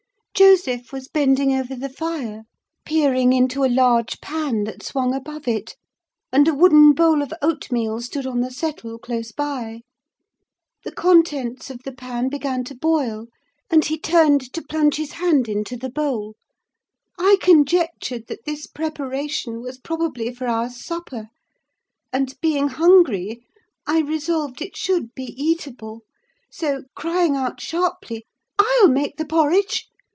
Joseph was bending over the fire, peering into a large pan that swung above it; and a wooden bowl of oatmeal stood on the settle close by. The contents of the pan began to boil, and he turned to plunge his hand into the bowl; I conjectured that this preparation was probably for our supper, and, being hungry, I resolved it should be eatable; so, crying out sharply, "I'll make the porridge!"